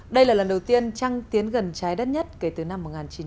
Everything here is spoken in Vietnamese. đây là lần đầu tiên trăng tiến gần trái đất nhất kể từ năm một nghìn chín trăm bảy mươi